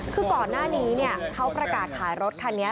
คือก่อนหน้านี้เขาประกาศขายรถคันนี้